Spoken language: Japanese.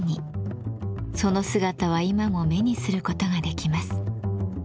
その姿は今も目にすることができます。